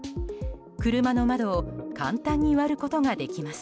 車の窓を簡単に割ることができます。